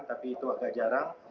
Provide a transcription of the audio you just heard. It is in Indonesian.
tapi itu agak jarang